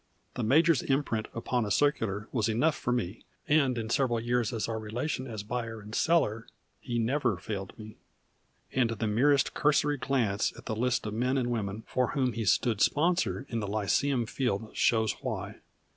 The major's imprint upon a circular was enough for me, and in several years of our relation as buyer and seller he never failed me; and the merest cursory glance at the list of men and women for whom he stood sponsor in the lyceum field shows why.